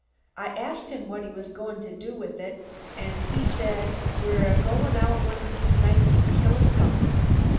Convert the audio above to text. I ast him what was he goin' to do with it an' he said: 'We're a goin' out one of these nights and kill a skunk.'